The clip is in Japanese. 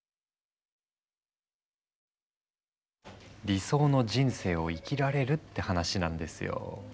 理想の人生を生きられるって話なんですよ。